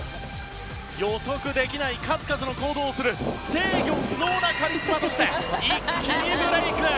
予測できない数々の行動をする制御不能なカリスマとして一気にブレーク！